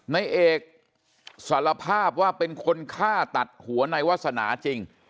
ในเอกสารภาพว่าเป็นคนฆ่าตัดหัวในวาสนาจริง